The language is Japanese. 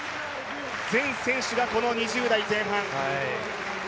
全選手が２０代前半。